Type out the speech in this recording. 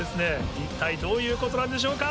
一体どういうことなんでしょうか？